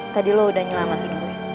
tadi lo udah nyelamatin